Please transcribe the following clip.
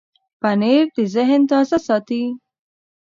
پنېر د ذهن تازه ساتي.